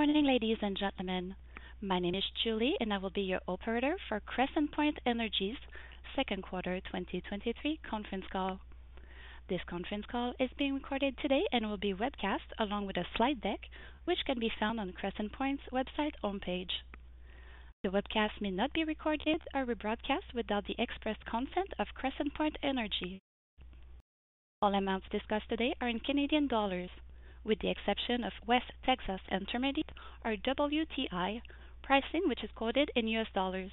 Good morning, ladies and gentlemen. My name is Julie. I will be your operator for Crescent Point Energy's second quarter 2023 conference call. This conference call is being recorded today and will be webcast along with a slide deck, which can be found on Crescent Point's website homepage. The webcast may not be recorded or rebroadcast without the express consent of Crescent Point Energy. All amounts discussed today are in Canadian dollars, with the exception of West Texas Intermediate, or WTI, pricing, which is quoted in US dollars.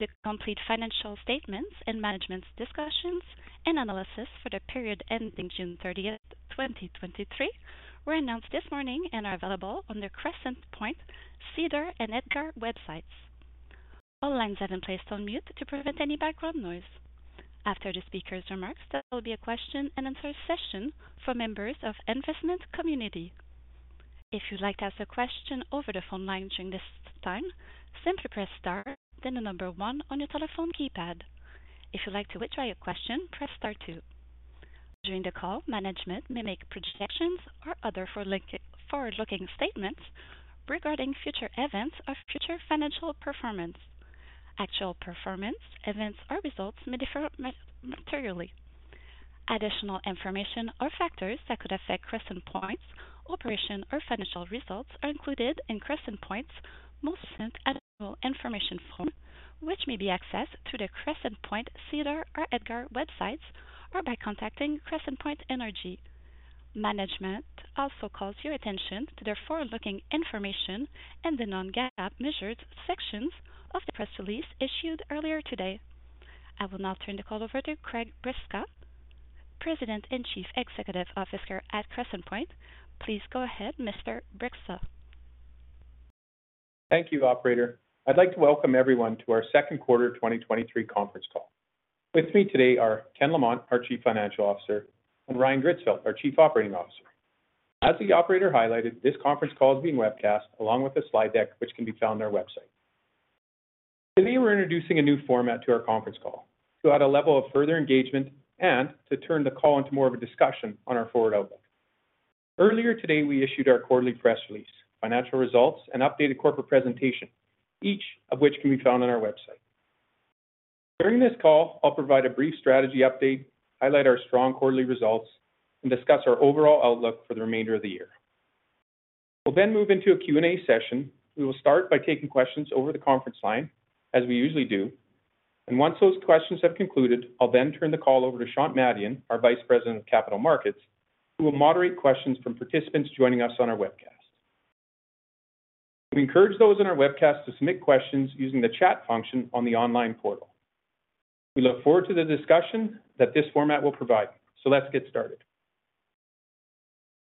The complete financial statements and management's discussions and analysis for the period ending June 30th, 2023, were announced this morning and are available on the Crescent Point Energy, SEDAR, and EDGAR websites. All lines have been placed on mute to prevent any background noise. After the speaker's remarks, there will be a question and answer session for members of investment community. If you'd like to ask a question over the phone line during this time, simply press Star 1 on your telephone keypad. If you'd like to withdraw your question, press Star 2. During the call, management may make projections or other forward-looking statements regarding future events or future financial performance. Actual performance, events, or results may differ materially. Additional information or factors that could affect Crescent Point's operation or financial results are included in Crescent Point's most recent additional information form, which may be accessed through the Crescent Point, SEDAR, or EDGAR websites, or by contacting Crescent Point Energy. Management also calls your attention to the forward-looking information in the non-GAAP measured sections of the press release issued earlier today. I will now turn the call over to Craig Bryksa, President and Chief Executive Officer at Veren. Please go ahead, Mr. Bryksa. Thank you, operator. I'd like to welcome everyone to our second quarter 2023 conference call. With me today are Ken Lamont, our Chief Financial Officer, and Ryan Gritzfeldt, our Chief Operating Officer. As the operator highlighted, this conference call is being webcast, along with a slide deck, which can be found on our website. Today, we're introducing a new format to our conference call to add a level of further engagement and to turn the call into more of a discussion on our forward outlook. Earlier today, we issued our quarterly press release, financial results, and updated corporate presentation, each of which can be found on our website. During this call, I'll provide a brief strategy update, highlight our strong quarterly results, and discuss our overall outlook for the remainder of the year. We'll move into a Q&A session. We will start by taking questions over the conference line, as we usually do, and once those questions have concluded, I'll then turn the call over to Shant Madian, our Vice President of Capital Markets, who will moderate questions from participants joining us on our webcast. We encourage those in our webcast to submit questions using the chat function on the online portal. We look forward to the discussion that this format will provide, so let's get started.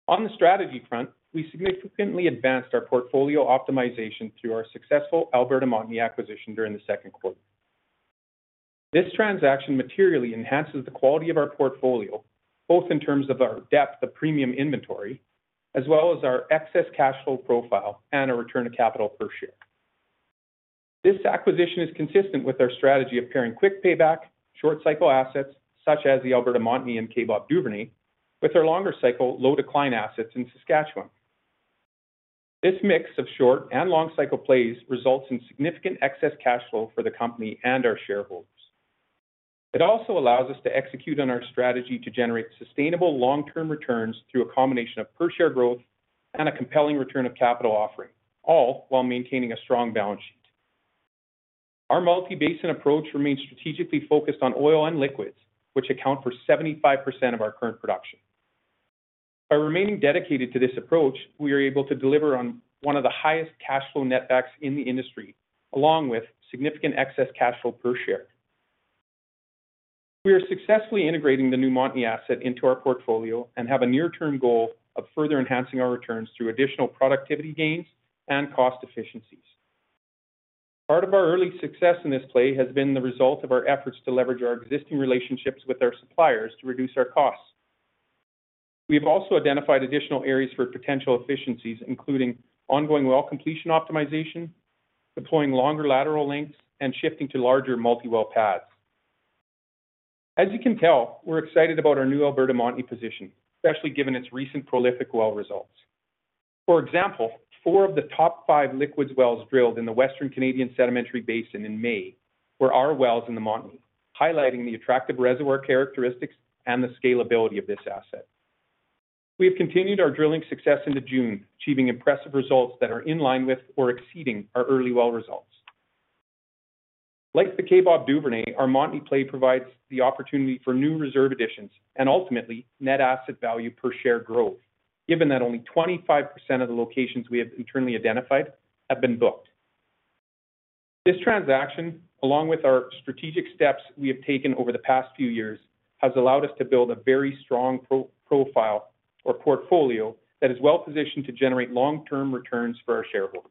On the strategy front, we significantly advanced our portfolio optimization through our successful Alberta Montney acquisition during the second quarter. This transaction materially enhances the quality of our portfolio, both in terms of our depth of premium inventory, as well as our excess cash flow profile and our return of capital per share. This acquisition is consistent with our strategy of pairing quick payback, short cycle assets such as the Alberta Montney and Kaybob Duvernay, with our longer cycle, low-decline assets in Saskatchewan. This mix of short and long cycle plays results in significant excess cash flow for the company and our shareholders. It also allows us to execute on our strategy to generate sustainable long-term returns through a combination of per share growth and a compelling return of capital offering, all while maintaining a strong balance sheet. Our multi-basin approach remains strategically focused on oil and liquids, which account for 75% of our current production. By remaining dedicated to this approach, we are able to deliver on one of the highest cash flow net backs in the industry, along with significant excess cash flow per share. We are successfully integrating the new Montney asset into our portfolio and have a near-term goal of further enhancing our returns through additional productivity gains and cost efficiencies. Part of our early success in this play has been the result of our efforts to leverage our existing relationships with our suppliers to reduce our costs. We have also identified additional areas for potential efficiencies, including ongoing well completion optimization, deploying longer lateral lengths, and shifting to larger multi-well pads. As you can tell, we're excited about our new Alberta Montney position, especially given its recent prolific well results. For example, 4 of the top 5 liquids wells drilled in the Western Canadian Sedimentary Basin in May were our wells in the Montney, highlighting the attractive reservoir characteristics and the scalability of this asset. We have continued our drilling success into June, achieving impressive results that are in line with or exceeding our early well results. Like the Kaybob Duvernay, our Montney play provides the opportunity for new reserve additions and ultimately, net asset value per share growth, given that only 25% of the locations we have internally identified have been booked. This transaction, along with our strategic steps we have taken over the past few years, has allowed us to build a very strong portfolio that is well positioned to generate long-term returns for our shareholders.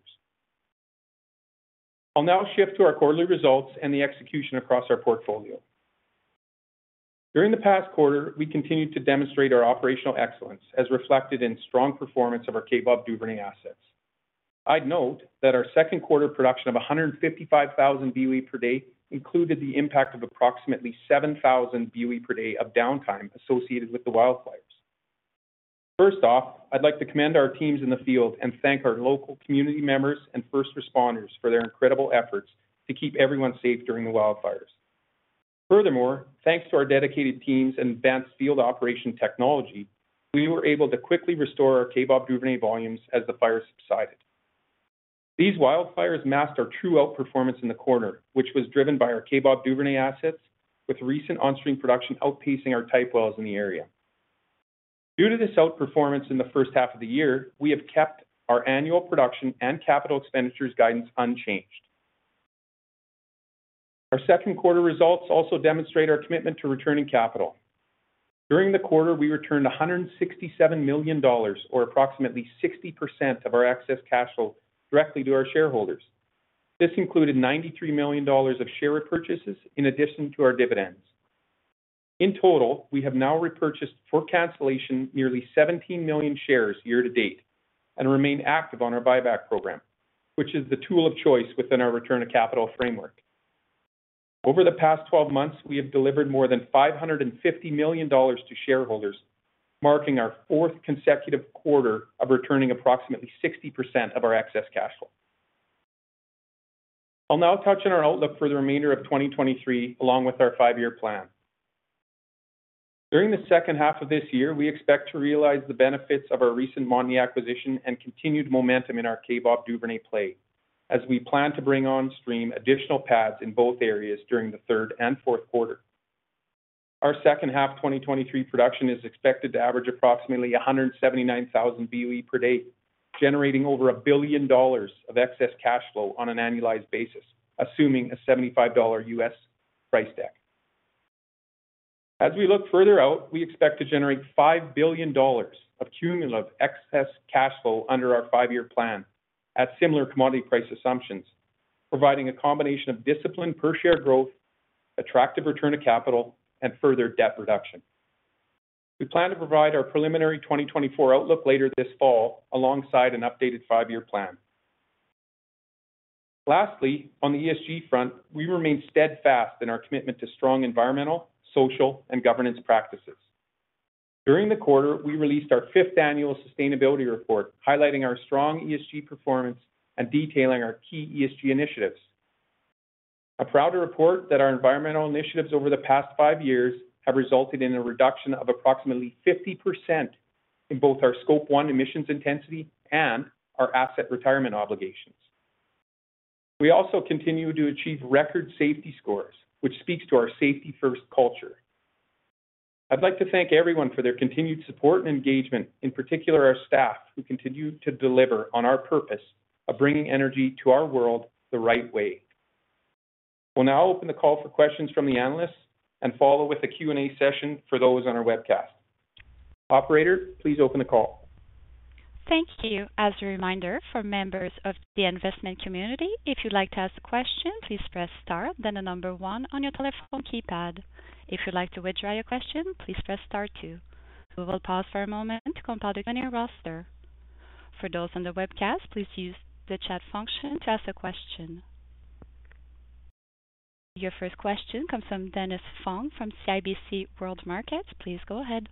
I'll now shift to our quarterly results and the execution across our portfolio. During the past quarter, we continued to demonstrate our operational excellence, as reflected in strong performance of our Kaybob Duvernay assets. I'd note that our second quarter production of 155,000 BOE per day included the impact of approximately 7,000 BOE per day of downtime associated with the wildfires. First off, I'd like to commend our teams in the field and thank our local community members and first responders for their incredible efforts to keep everyone safe during the wildfires. Thanks to our dedicated teams and advanced field operation technology, we were able to quickly restore our Kaybob Duvernay volumes as the fire subsided. These wildfires masked our true outperformance in the quarter, which was driven by our Kaybob Duvernay assets, with recent onstream production outpacing our type wells in the area. Due to this outperformance in the first half of the year, we have kept our annual production and capital expenditures guidance unchanged. Our second quarter results also demonstrate our commitment to returning capital. During the quarter, we returned 167 million dollars, or approximately 60% of our excess cash flow, directly to our shareholders. This included 93 million dollars of share repurchases in addition to our dividends. In total, we have now repurchased, for cancellation, nearly 17 million shares year to date, and remain active on our buyback program, which is the tool of choice within our return of capital framework. Over the past 12 months, we have delivered more than 550 million dollars to shareholders, marking our fourth consecutive quarter of returning approximately 60% of our excess cash flow. I'll now touch on our outlook for the remainder of 2023, along with our five-year plan. During the second half of this year, we expect to realize the benefits of our recent Montney acquisition and continued momentum in our Kaybob Duvernay play, as we plan to bring onstream additional pads in both areas during the third and fourth quarter. Our second half 2023 production is expected to average approximately 179,000 BOE per day, generating over 1 billion dollars of excess cash flow on an annualized basis, assuming a $75 U.S. price deck. As we look further out, we expect to generate 5 billion dollars of cumulative excess cash flow under our 5-year plan at similar commodity price assumptions, providing a combination of disciplined per share growth, attractive return of capital, and further debt reduction. We plan to provide our preliminary 2024 outlook later this fall, alongside an updated 5-year plan. On the ESG front, we remain steadfast in our commitment to strong environmental, social, and governance practices. During the quarter, we released our fifth annual sustainability report, highlighting our strong ESG performance and detailing our key ESG initiatives. I'm proud to report that our environmental initiatives over the past 5 years have resulted in a reduction of approximately 50% in both our Scope 1 emissions intensity and our asset retirement obligations. We also continue to achieve record safety scores, which speaks to our safety-first culture. I'd like to thank everyone for their continued support and engagement, in particular, our staff, who continue to deliver on our purpose of bringing energy to our world the right way. We'll now open the call for questions from the analysts and follow with a Q&A session for those on our webcast. Operator, please open the call. Thank you. As a reminder for members of the investment community, if you'd like to ask a question, please press star, then 1 on your telephone keypad. If you'd like to withdraw your question, please press star 2. We will pause for a moment to compile the webinar roster. For those on the webcast, please use the chat function to ask a question. Your first question comes from Dennis Fong from CIBC World Markets. Please go ahead.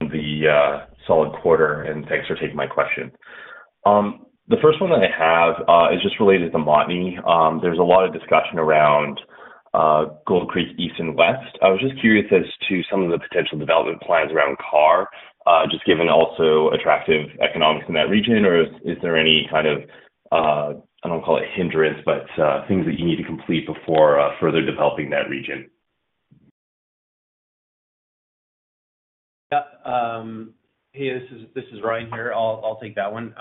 The solid quarter, and thanks for taking my question. The first one that I have is just related to Montney. There's a lot of discussion around Gold Creek, East and West. I was just curious as to some of the potential development plans around Carr, just given also attractive economics in that region, or is there any kind of, I don't call it hindrance, but things that you need to complete before further developing that region? Hey, this is Ryan here. I'll take that one.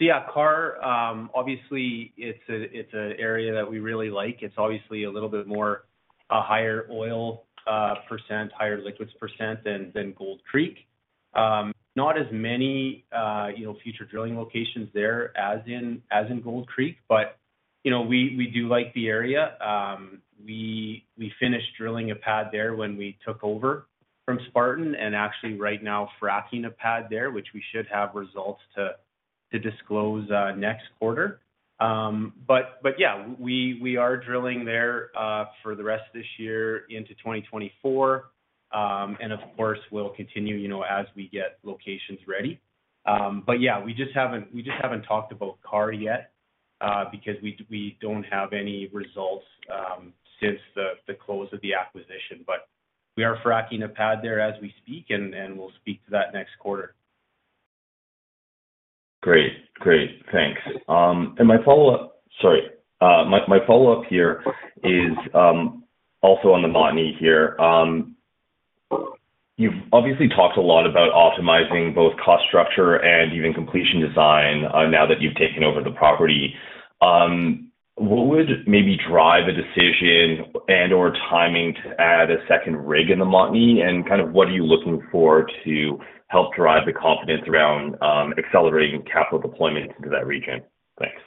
Yeah, Carr, obviously it's an area that we really like. It's obviously a little bit more higher oil %, higher liquids % than Gold Creek. Not as many, you know, future drilling locations there as in Gold Creek, but, you know, we do like the area. We finished drilling a pad there when we took over from Spartan, and actually right now, fracking a pad there, which we should have results to disclose next quarter. Yeah, we are drilling there for the rest of this year into 2024. Of course, we'll continue, you know, as we get locations ready. Yeah, we just haven't talked about Carr yet, because we don't have any results since the close of the acquisition. We are fracking a pad there as we speak, and we'll speak to that next quarter. Great. Great, thanks. Sorry, my follow-up here is also on the Montney here. You've obviously talked a lot about optimizing both cost structure and even completion design now that you've taken over the property. What would maybe drive a decision and/or timing to add a second rig in the Montney, and kind of what are you looking for to help drive the confidence around accelerating capital deployment into that region? Thanks....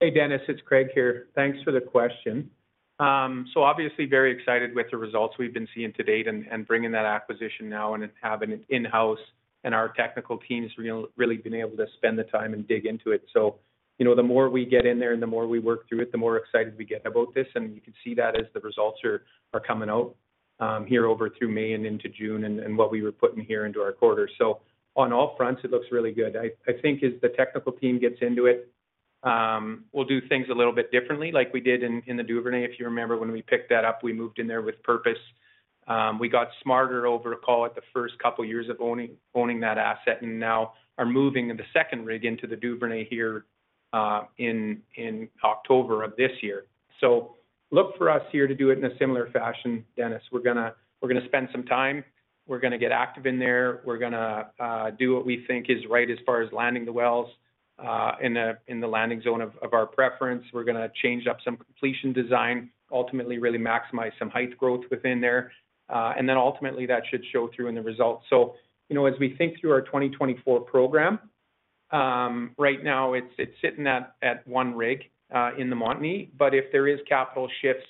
Hey, Dennis, it's Craig here. Thanks for the question. Obviously very excited with the results we've been seeing to date and bringing that acquisition now and then having it in-house, and our technical team has really been able to spend the time and dig into it. You know, the more we get in there and the more we work through it, the more excited we get about this. You can see that as the results are coming out here over through May and into June, and what we were putting here into our quarter. On all fronts, it looks really good. I think as the technical team gets into it, we'll do things a little bit differently, like we did in the Duvernay. If you remember, when we picked that up, we moved in there with purpose. We got smarter over, call it the first couple of years of owning that asset, and now are moving in the second rig into the Duvernay here, in October of this year. Look for us here to do it in a similar fashion, Dennis. We're gonna, we're gonna spend some time, we're gonna get active in there. We're gonna, do what we think is right as far as landing the wells, in the, in the landing zone of our preference. We're gonna change up some completion design, ultimately really maximize some height growth within there. Ultimately, that should show through in the results. You know, as we think through our 2024 program, right now it's sitting at 1 rig in the Montney. If there is capital shifts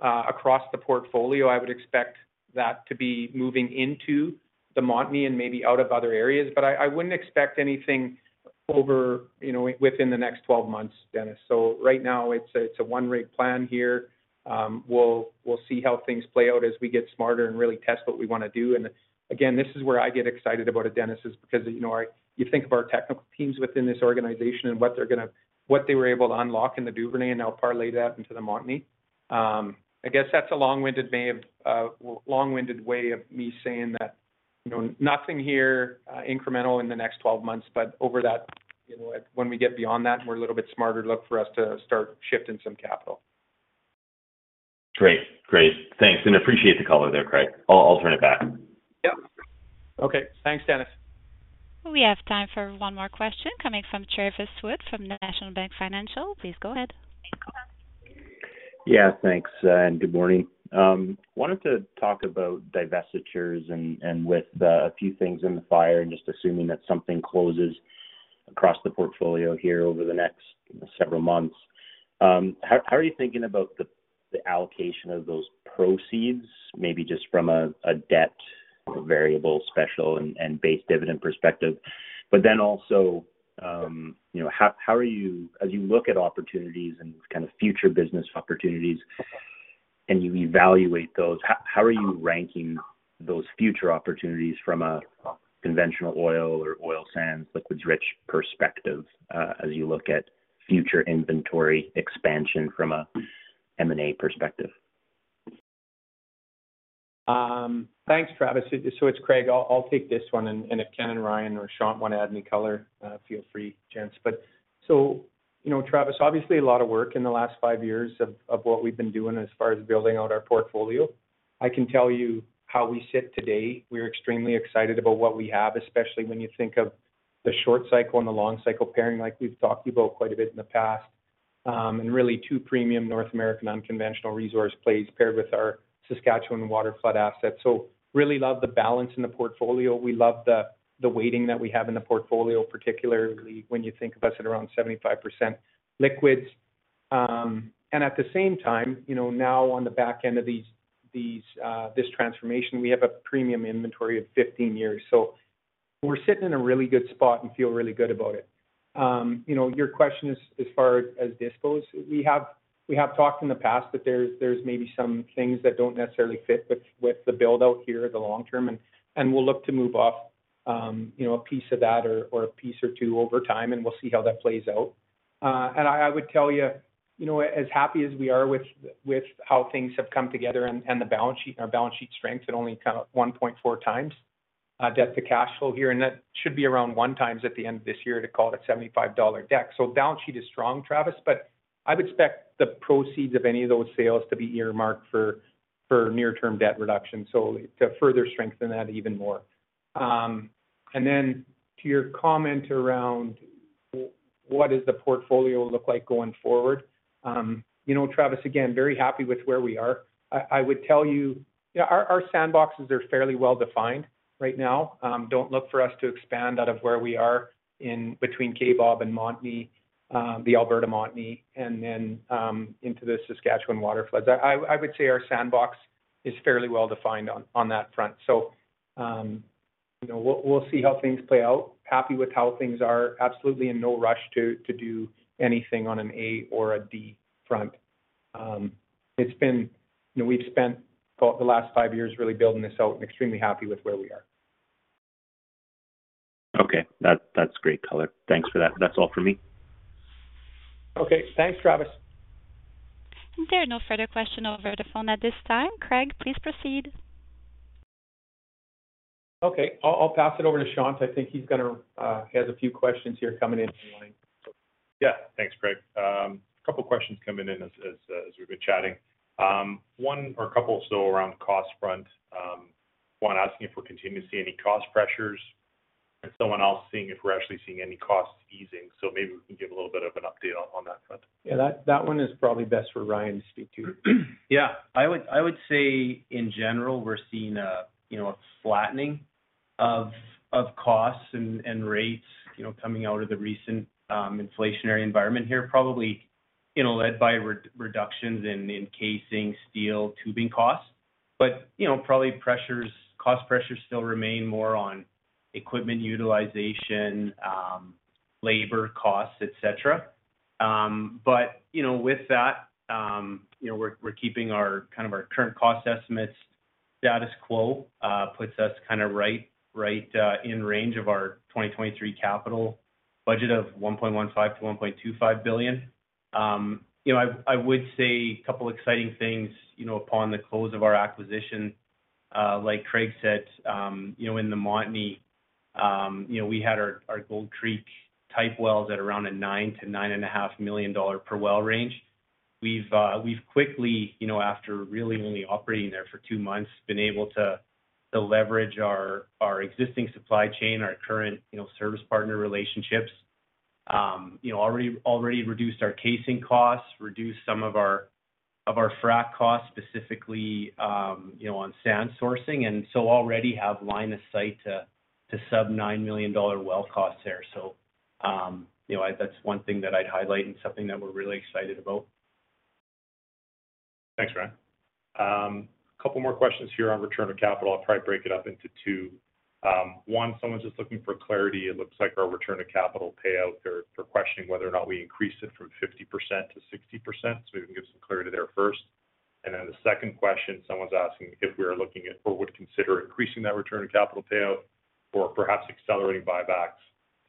across the portfolio, I would expect that to be moving into the Montney and maybe out of other areas. I wouldn't expect anything over, you know, within the next 12 months, Dennis. Right now, it's a 1-rig plan here. We'll see how things play out as we get smarter and really test what we wanna do. Again, this is where I get excited about it, Dennis, is because, you know, you think of our technical teams within this organization and what they were able to unlock in the Duvernay and now parlay that into the Montney. I guess that's a long-winded way of me saying that, you know, nothing here, incremental in the next 12 months, but over that, you know, when we get beyond that and we're a little bit smarter, look for us to start shifting some capital. Great. Thanks, and appreciate the color there, Craig. I'll turn it back. Yeah. Okay. Thanks, Dennis. We have time for one more question coming from Travis Wood from National Bank Financial. Please go ahead. Yeah, thanks, and good morning. Wanted to talk about divestitures and with a few things in the fire and just assuming that something closes across the portfolio here over the next several months. How are you thinking about the allocation of those proceeds, maybe just from a debt variable, special, and base dividend perspective? Also, you know, how are you as you look at opportunities and kind of future business opportunities and you evaluate those, how are you ranking those future opportunities from a conventional oil or oil sands, liquids rich perspective, as you look at future inventory expansion from an M&A perspective? Thanks, Travis. It's Craig. I'll take this one, and if Ken and Ryan or Shant Madian want to add any color, feel free, gents. You know, Travis, obviously a lot of work in the last five years of what we've been doing as far as building out our portfolio. I can tell you how we sit today. We're extremely excited about what we have, especially when you think of the short cycle and the long cycle pairing, like we've talked about quite a bit in the past. Really two premium North American unconventional resource plays paired with our Saskatchewan waterflood assets. Really love the balance in the portfolio. We love the weighting that we have in the portfolio, particularly when you think about it, around 75% liquids. At the same time, you know, now on the back end of these, this transformation, we have a premium inventory of 15 years. We're sitting in a really good spot and feel really good about it. You know, your question as far as dispos, we have talked in the past that there's maybe some things that don't necessarily fit with the build-out here in the long term, we'll look to move off, you know, a piece of that or a piece or two over time, we'll see how that plays out. I would tell you know, as happy as we are with how things have come together and the balance sheet, our balance sheet strength at only kind of 1.4 times debt to cash flow here, and that should be around 1 time at the end of this year to call it 75 dollar debt. Balance sheet is strong, Travis, but I would expect the proceeds of any of those sales to be earmarked for near-term debt reduction, so to further strengthen that even more. Then to your comment around what does the portfolio look like going forward? You know, Travis, again, very happy with where we are. I would tell you, our sandboxes are fairly well defined right now. Don't look for us to expand out of where we are in between Kaybob and Montney, the Alberta Montney, and then into the Saskatchewan waterfloods. I would say our sandbox is fairly well defined on that front. You know, we'll see how things play out. Happy with how things are. Absolutely in no rush to do anything on an A or a D front. You know, we've spent the last five years really building this out and extremely happy with where we are. Okay. That's great color. Thanks for that. That's all for me. Okay. Thanks, Travis. There are no further questions over the phone at this time. Craig, please proceed. Okay. I'll pass it over to Shant. I think he's gonna has a few questions here coming in online. Yeah. Thanks, Craig. A couple of questions coming in as we've been chatting. One or a couple still around the cost front. One asking if we're continuing to see any cost pressures and someone else seeing if we're actually seeing any cost easing. Maybe we can give a little bit of an update on that front. Yeah, that one is probably best for Ryan to speak to. Yeah. I would say in general, we're seeing a, you know, a flattening. ...of costs and rates, you know, coming out of the recent inflationary environment here, probably, you know, led by reductions in casing, steel, tubing costs. You know, probably cost pressures still remain more on equipment utilization, labor costs, et cetera. You know, with that, you know, we're keeping our, kind of our current cost estimates. Status quo, puts us kind of right in range of our 2023 capital budget of 1.15 billion-1.25 billion. You know, I would say a couple exciting things, you know, upon the close of our acquisition, like Craig said, you know, in the Montney, you know, we had our Gold Creek-type wells at around a 9 million-9.5 million dollar per well range. We've quickly, you know, after really only operating there for two months, been able to leverage our existing supply chain, our current, you know, service partner relationships. You know, already reduced our casing costs, reduced some of our, of our frack costs, specifically, you know, on sand sourcing. Already have line of sight to sub 9 million dollar well costs there. You know, that's one thing that I'd highlight and something that we're really excited about. Thanks, Ryan. A couple more questions here on return of capital. I'll probably break it up into two. One, someone's just looking for clarity. It looks like our return of capital payout there. They're questioning whether or not we increased it from 50% to 60%, so we can give some clarity there first. The second question, someone's asking if we are looking at or would consider increasing that return of capital payout or perhaps accelerating buybacks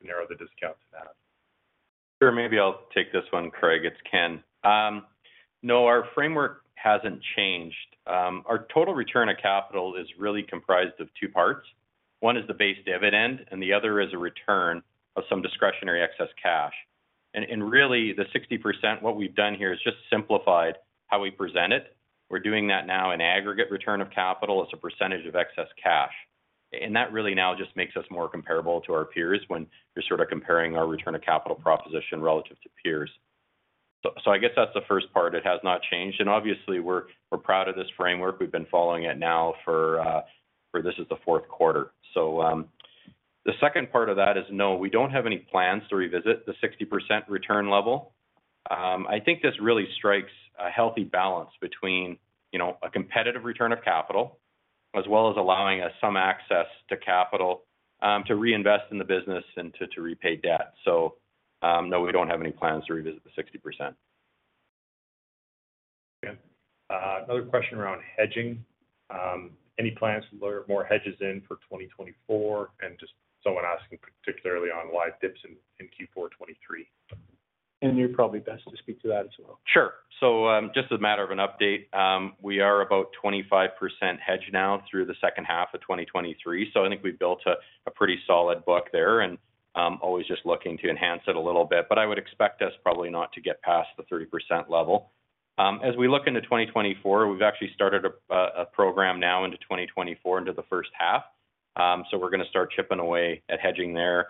to narrow the discount to that? Sure. Maybe I'll take this one, Craig. It's Ken. No, our framework hasn't changed. Our total return of capital is really comprised of 2 parts. 1 is the base dividend, and the other is a return of some discretionary excess cash. Really, the 60%, what we've done here is just simplified how we present it. We're doing that now in aggregate return of capital as a percentage of excess cash. That really now just makes us more comparable to our peers when you're sort of comparing our return of capital proposition relative to peers. I guess that's the first part. It has not changed, and obviously, we're proud of this framework. We've been following it now for this is the Q4. The second part of that is, no, we don't have any plans to revisit the 60% return level. I think this really strikes a healthy balance between, you know, a competitive return of capital, as well as allowing us some access to capital, to reinvest in the business and to repay debt. No, we don't have any plans to revisit the 60%. Yeah. another question around hedging. any plans to load more hedges in for 2024? Just someone asking, particularly on why it dips in Q4 2023. You're probably best to speak to that as well. Sure. Just as a matter of an update, we are about 25% hedged now through the second half of 2023. I think we've built a pretty solid book there, and always just looking to enhance it a little bit, but I would expect us probably not to get past the 30% level. As we look into 2024, we've actually started a program now into 2024, into the first half. We're gonna start chipping away at hedging there.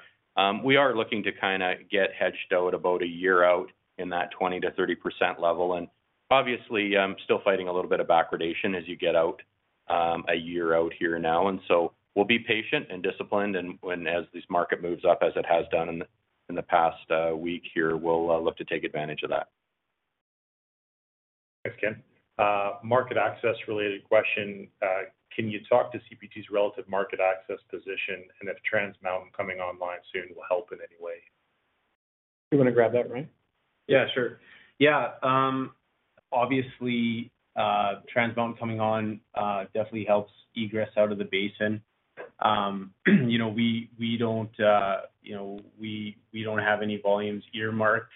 We are looking to kinda get hedged out about a year out in that 20%-30% level, and obviously, still fighting a little bit of backwardation as you get out, a year out here now. We'll be patient and disciplined, and when, as this market moves up, as it has done in the, in the past, week here, we'll, look to take advantage of that. Thanks, Ken. Market access-related question. Can you talk to CPG's relative market access position, and if Trans Mountain coming online soon will help in any way? You wanna grab that, Ryan? Sure. Yeah, obviously, Trans Mountain coming on, definitely helps egress out of the basin. You know, we don't, you know, we don't have any volumes earmarked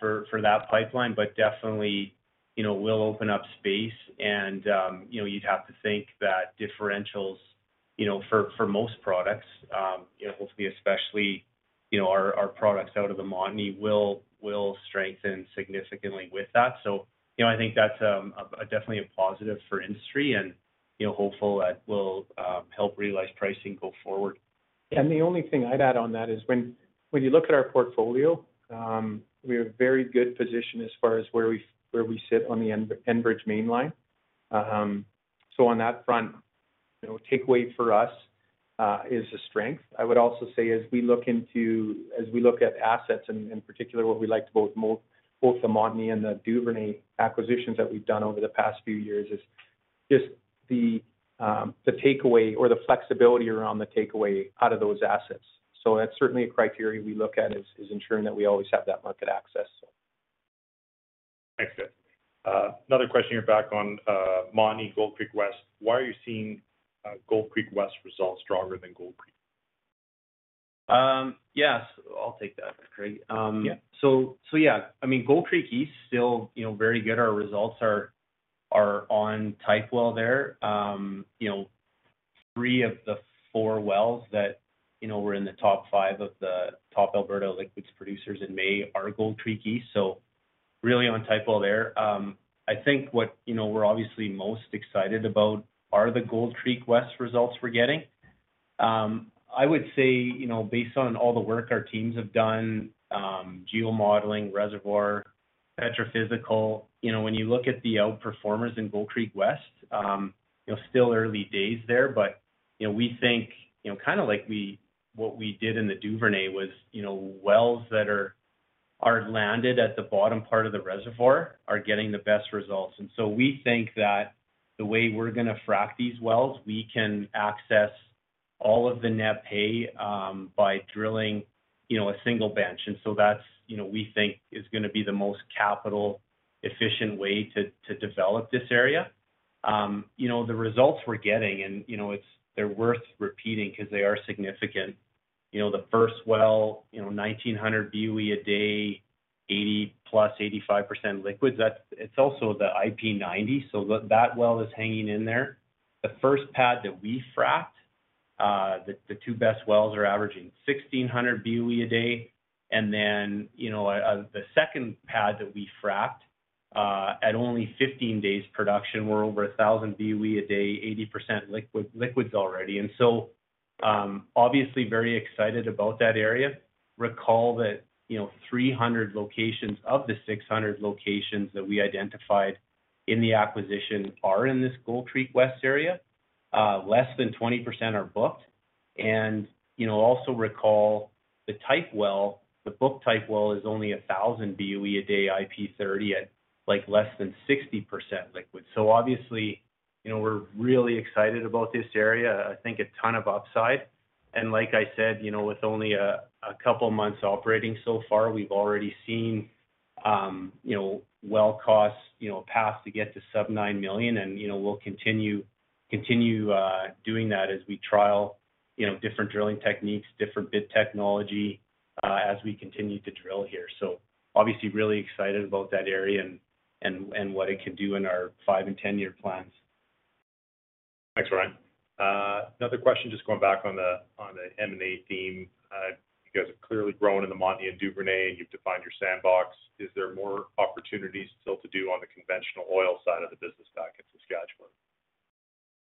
for that pipeline, but definitely, you know, we'll open up space and, you know, you'd have to think that differentials, you know, for most products, you know, hopefully, especially, you know, our products out of the Montney will strengthen significantly with that. You know, I think that's definitely a positive for industry and, you know, hopeful that will help realize pricing go forward. The only thing I'd add on that is when you look at our portfolio, we have a very good position as far as where we sit on the Enbridge mainline. On that front, you know, takeaway for us is a strength. I would also say, as we look at assets, and particularly what we liked about both the Montney and the Duvernay acquisitions that we've done over the past few years, is just the takeaway or the flexibility around the takeaway out of those assets. That's certainly a criteria we look at, ensuring that we always have that market access. Thanks, Ken. Another question here back on Montney, Gold Creek West. Why are you seeing Gold Creek West results stronger than Gold Creek? Yes, I'll take that, Craig. Yeah. Yeah, I mean, Gold Creek East still, you know, very good. Our results are on type well there. You know, 3 of the 4 wells that, you know, were in the top 5 of the top Alberta liquids producers in May are Gold Creek East, so really on type well there. I think what, you know, we're obviously most excited about are the Gold Creek West results we're getting. I would say, you know, based on all the work our teams have done, geomodeling, reservoir, petrophysical, you know, when you look at the outperformers in Gold Creek West, you know, still early days there, but, you know, we think, you know, kind of like what we did in the Duvernay was, you know, wells that are landed at the bottom part of the reservoir are getting the best results. We think that the way we're gonna frack these wells, we can access all of the net pay, by drilling, you know, a single bench. That's, you know, we think is gonna be the most capital efficient way to develop this area. You know, the results we're getting and, you know, they're worth repeating because they are significant. You know, the first well, you know, 1,900 BOE a day, 80+, 85% liquids. It's also the IP90, so that well is hanging in there. The first pad that we fracked, the two best wells are averaging 1,600 BOE a day. You know, the second pad that we fracked, at only 15 days production, we're over 1,000 BOE a day, 80% liquids already. Obviously very excited about that area. Recall that, you know, 300 locations of the 600 locations that we identified in the acquisition are in this Gold Creek West area. Less than 20% are booked. You know, also recall the type well, the book type well is only 1,000 BOE a day, IP30 at, like, less than 60% liquid. Obviously, you know, we're really excited about this area. I think a ton of upside. Like I said, you know, with only 2 months operating so far, we've already seen, you know, well costs, you know, path to get to sub 9 million. You know, we'll continue doing that as we trial, you know, different drilling techniques, different bit technology, as we continue to drill here. Obviously, really excited about that area and what it can do in our five- and ten-year plans. Thanks, Ryan. Another question, just going back on the M&A theme. You guys have clearly grown in the Montney and Duvernay, and you've defined your sandbox. Is there more opportunities still to do on the conventional oil side of the business back in Saskatchewan?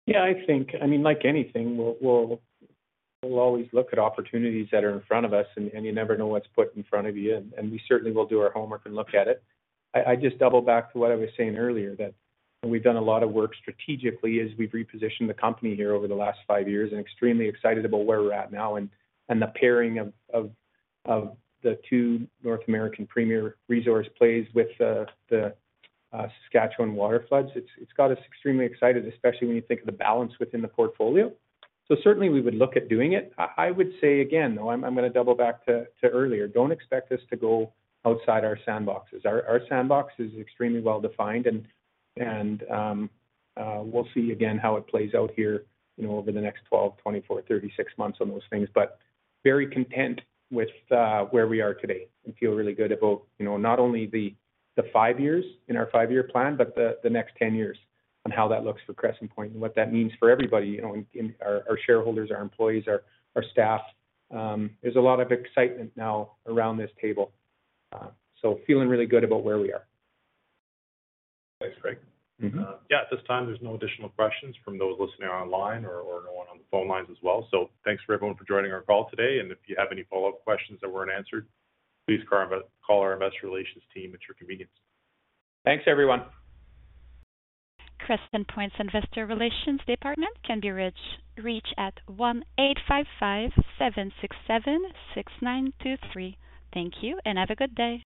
Yeah, I think, I mean, like anything, we'll always look at opportunities that are in front of us, and you never know what's put in front of you. We certainly will do our homework and look at it. I just double back to what I was saying earlier, that we've done a lot of work strategically as we've repositioned the company here over the last five years, and extremely excited about where we're at now and the pairing of the two North American premier resource plays with the Saskatchewan water floods. It's got us extremely excited, especially when you think of the balance within the portfolio. Certainly, we would look at doing it. I would say again, though, I'm gonna double back to earlier. Don't expect us to go outside our sandboxes. Our sandbox is extremely well-defined, and we'll see again how it plays out here, you know, over the next 12, 24, 36 months on those things. Very content with where we are today and feel really good about, you know, not only the 5 years in our 5-year plan, but the next 10 years, and how that looks for Crescent Point and what that means for everybody, you know, our shareholders, our employees, our staff. There's a lot of excitement now around this table. Feeling really good about where we are. Thanks, Greg. Mm-hmm. Yeah, at this time, there's no additional questions from those listening online or no one on the phone lines as well. Thanks, everyone, for joining our call today. If you have any follow-up questions that weren't answered, please call our investor relations team at your convenience. Thanks, everyone. Crescent Point's Investor Relations department can be reached at 1-855-767-6923. Thank you, and have a good day.